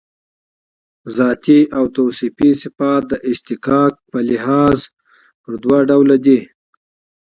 ذاتي او توصیفي صفات د اشتقاق په لحاظ پر دوه ډوله دي.